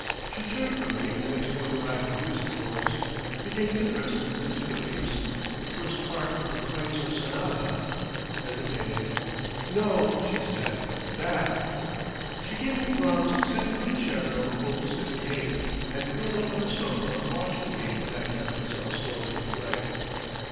She turned from me and explored the rack of music rolls, became interested and took a piece, the first part of the Kreutzer Sonata, hesitated. "No," she said, "that!" She gave me Brahms' Second Concerto, Op. 58, and curled up on the sofa watching me as I set myself slowly to play....